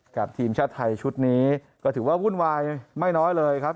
กับทีมชาติไทยชุดนี้ก็ถือว่าวุ่นวายไม่น้อยเลยครับ